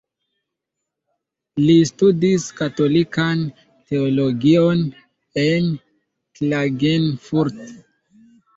Li studis katolikan Teologion en Klagenfurt.